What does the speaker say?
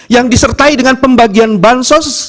yang disertai dengan pembagian bansos